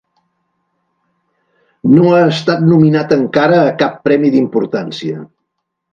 No ha estat nominat encara a cap premi d'importància.